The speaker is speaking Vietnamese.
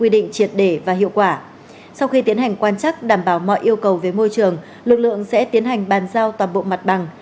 sau khi tiến hành quan chắc đảm bảo mọi yêu cầu về môi trường lực lượng sẽ tiến hành bàn giao toàn bộ mặt bằng